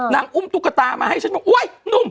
นางอุ้มตุ๊กตามาให้ฉันโอ๊ยหนุ่ม